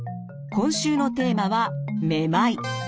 今週のテーマは「めまい」。